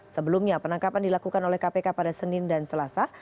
sebelumnya penangkapan dilakukan oleh kpk pada senin dan selasa